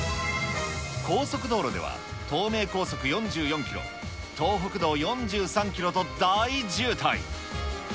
高速道路では、東名高速４４キロ、東北道４３キロと大渋滞。